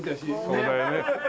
そうだよね。